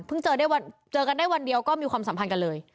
เจอกันได้วันเดียวก็มีความสัมพันธ์กันเลย